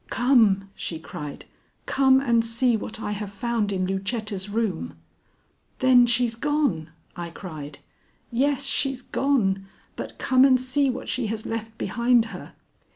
"Come!" she cried. "Come and see what I have found in Lucetta's room." "Then she's gone?" I cried. "Yes, she's gone, but come and see what she has left behind her."